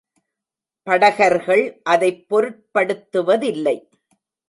படகர்கள் அதைப் பொருட்படுத்துவதில்லை.